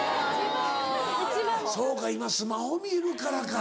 そうか今スマホ見るからか。